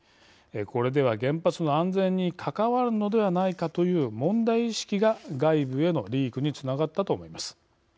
これでは原発の安全に関わるのではないかという問題意識が外部へのリークにつながったと思います。